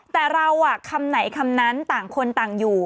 แต่เราคำไหนคำนั้นต่างคนต่างอยู่